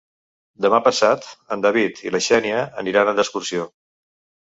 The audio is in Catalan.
Demà passat en David i na Xènia aniran d'excursió.